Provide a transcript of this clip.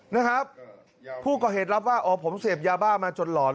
นะครับผู้ก่อเหตุรับว่าอ๋อผมเสพยาบ้ามาจนหลอน